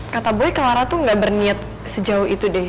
kata boy clara tuh gak berniat sejauh itu deh